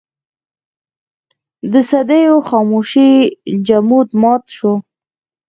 د صدېو خاموشۍ جمود مات شو.